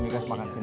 nih kasi makan sini